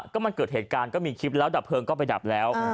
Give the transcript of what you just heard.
ก็มันเกิดเหตุการณ์ก็มีคลิปแล้วดับเพลิงก็ไปดับแล้ว